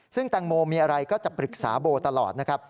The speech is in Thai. ซึ่งแตงโมมีอะไรก็จะปรึกษาโบตลอดนะครับ